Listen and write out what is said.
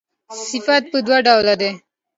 صفات پر دوه ډوله دي.